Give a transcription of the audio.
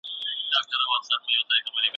خلګ له تجربو څخه زده کړه کوي.